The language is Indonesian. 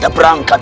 aku seorang pari